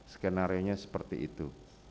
skenarionya seperti itu